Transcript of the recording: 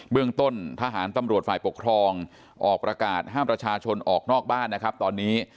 เรื่องต้นทหารตำรวจฝ่ายปกครองออกประกาศห้ามประชาชนออกนอกบ้านนะครับตอนนี้